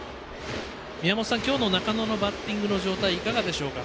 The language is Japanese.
今日の中野のバッティングの状態いかがでしょうか。